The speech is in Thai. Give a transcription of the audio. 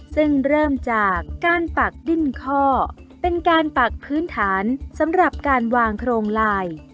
ซึ่งเริ่มจากการปักดิ้นข้อเป็นการปักพื้นฐานสำหรับการวางโครงลาย